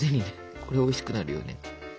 これおいしくなるよね。